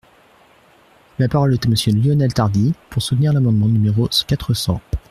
La parole est à Monsieur Lionel Tardy, pour soutenir l’amendement numéro quatre cents.